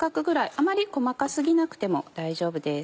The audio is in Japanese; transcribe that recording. あまり細か過ぎなくても大丈夫です。